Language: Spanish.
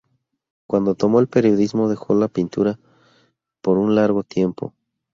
Cuando tomó el periodismo dejó la pintura por un largo tiempo.